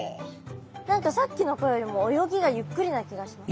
何かさっきの子よりも泳ぎがゆっくりな気がします。